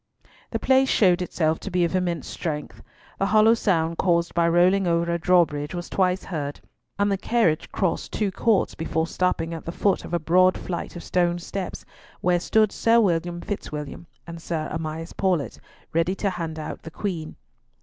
The place showed itself to be of immense strength. The hollow sound caused by rolling over a drawbridge was twice heard, and the carriage crossed two courts before stopping at the foot of a broad flight of stone steps, where stood Sir William Fitzwilliam and Sir Amias Paulett ready to hand out the Queen.